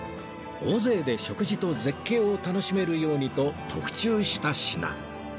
大勢で食事と絶景を楽しめるようにと特注した品